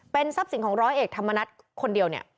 ทรัพย์สินของร้อยเอกธรรมนัฐคนเดียวเนี่ย